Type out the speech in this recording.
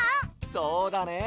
そうだね